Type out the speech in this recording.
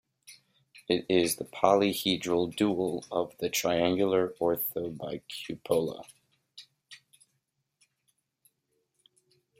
It is the polyhedral dual of the triangular orthobicupola.